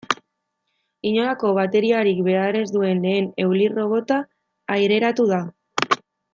Inolako bateriarik behar ez duen lehen eulirrobota aireratu da.